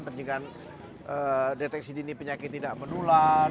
pentingan deteksi dini penyakit tidak menular